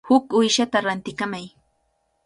Huk uyshata rantikamay.